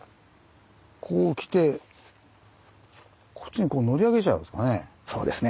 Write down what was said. こうきてこっちにこう乗り上げちゃうんですかね。